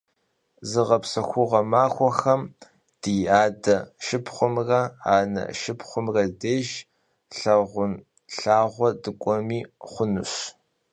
Zığepsexuğue maxuexem di ade şşıpxhumre ane şşıpxhumre dêjj lhağunlhağu dık'uemi xhunuş.